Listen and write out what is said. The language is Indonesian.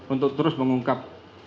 untuk terus mengungkap